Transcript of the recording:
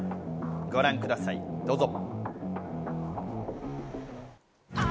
ご覧ください、どうぞ。